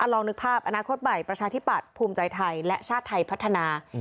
ลองนึกภาพอนาคตใหม่ประชาธิปัตย์ภูมิใจไทยและชาติไทยพัฒนา